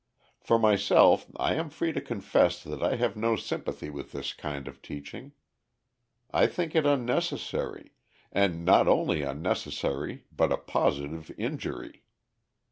For myself I am free to confess that I have no sympathy with this kind of teaching. I think it unnecessary, and not only unnecessary but a positive injury.